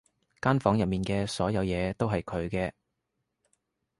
間房入面嘅所有嘢都係佢嘅